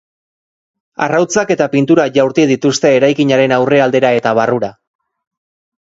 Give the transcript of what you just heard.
Arrautzak eta pintura jaurti dituzte eraikinaren aurrealdera eta barrura.